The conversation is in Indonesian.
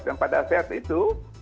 dan pada saat itu